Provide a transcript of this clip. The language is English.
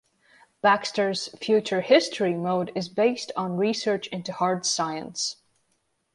Baxter's "Future History" mode is based on research into hard science.